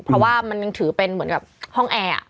เพราะว่ามันยังถือเป็นเหมือนกับห้องแอร์